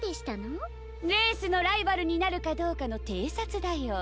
レースのライバルになるかどうかのていさつだよ。